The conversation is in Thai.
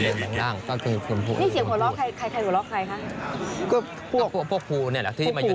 เดียวพี่คอยสังเกตดูแล้วกันเขาจะขันไปถามอยู่